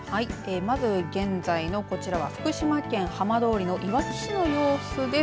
まず現在のこちらは福島県浜通りのいわき市の様子です。